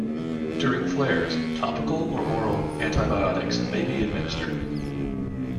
During flares, topical or oral antibiotics may be administered.